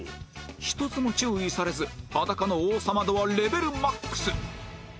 １つも注意されず裸の王様度はレベル ＭＡＸ